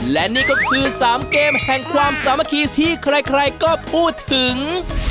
และนี่ก็คือ๓เกมแห่งความสามัคคีที่ใครก็พูดถึง